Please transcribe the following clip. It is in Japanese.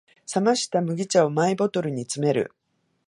冷ました麦茶をマイボトルに詰める